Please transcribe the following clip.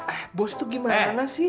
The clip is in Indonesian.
eh bos tuh gimana kanan sih